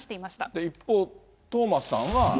一方、トーマスさんは。